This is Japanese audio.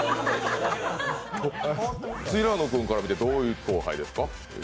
平野君から見てどういう後輩ですか？